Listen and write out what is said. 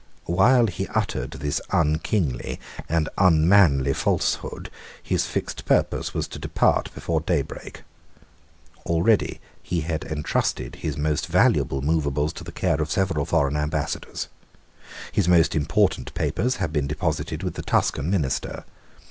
While he uttered this unkingly and unmanly falsehood, his fixed purpose was to depart before daybreak. Already he had entrusted his most valuable moveables to the care of several foreign Ambassadors. His most important papers had been deposited with the Tuscan minister.